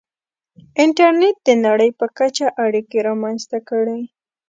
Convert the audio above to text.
• انټرنېټ د نړۍ په کچه اړیکې رامنځته کړې.